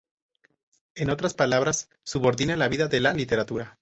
En otras palabras, subordina la vida a la literatura.